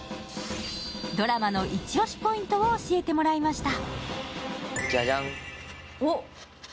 ドラマのイチ押しポイントを教えてもらいました。